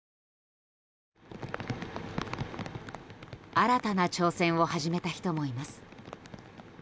新たな挑戦を始めた人もいます。